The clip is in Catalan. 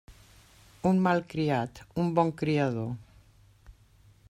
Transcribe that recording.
Un malcriat, un bon criador.